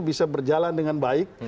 bisa berjalan dengan baik